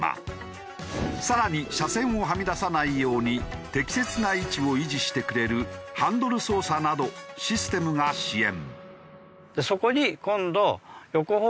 更に車線をはみ出さないように適切な位置を維持してくれるハンドル操作などシステムが支援。